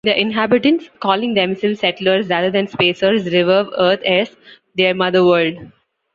Their inhabitants, calling themselves "Settlers" rather than "Spacers", revere Earth as their mother-world.